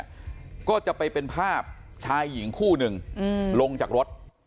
แล้วก็จะไปเป็นภาพชายหญิงคู่หนึ่งลงจากรถ